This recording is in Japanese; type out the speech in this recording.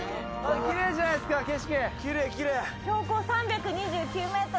きれいじゃないですか、景色。